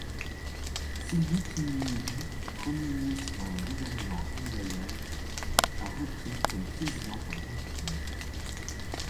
Sylvie Kinigi, premier ministre dans le gouvernement Ndadaye, a repris comme président par intérim.